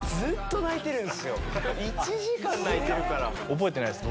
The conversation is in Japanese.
覚えてないです